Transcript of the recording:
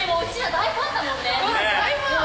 大ファン。